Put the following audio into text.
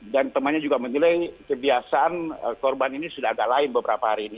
dan temannya juga menilai kebiasaan korban ini sudah agak lain beberapa hari ini